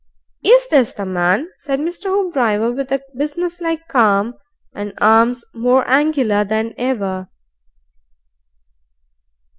"Is this the man?" said Mr. Hoopdriver, with a business like calm, and arms more angular than ever.